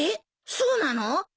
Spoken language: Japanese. そうなの？